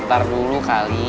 ntar dulu kali